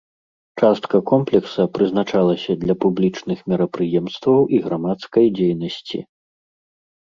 Частка комплекса прызначалася для публічных мерапрыемстваў і грамадскай дзейнасці.